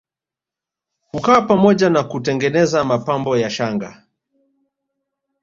Hukaa pamoja na kutengeneza mapambo ya shanga